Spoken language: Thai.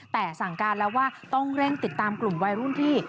แต่สั่งการแล้วว่าต้องเร่งติดตามกลุ่มวัยรุ่นที่